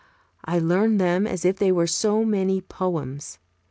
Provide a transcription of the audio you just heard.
I learned them as if they were so many poems.